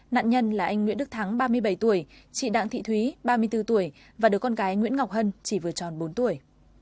nạn nhân là anh nguyễn đức thắng ba mươi bảy tuổi chị đạn thị thúy ba mươi bốn tuổi và đứa con gái nguyễn ngọc hân chỉ vừa tròn bốn tuổi